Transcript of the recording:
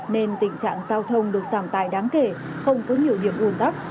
nên tình trạng giao thông được sảm tài đáng kể không có nhiều điểm ủn tắc